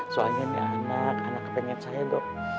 soalnya ini anak anak pengen saya dok